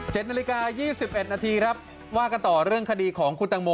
เจ็ดนาฬิกา๒๑นาทีต่อเรื่องคดีของคุณตางโม